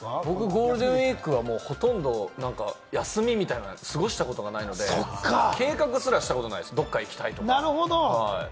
ゴールデンウイークはほとんど休みみたいなのは過ごしたことがないので、計画すらしたことないです、どっか行くの。